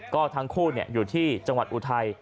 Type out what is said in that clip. ก็ทั้งคู่อยู่ที่จังหวัดอุทัย